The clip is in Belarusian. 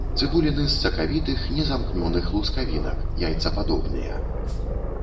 Цыбуліны з сакавітых незамкнёных лускавінак, яйцападобныя.